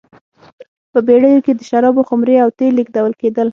په بېړیو کې د شرابو خُمرې او تېل لېږدول کېدل.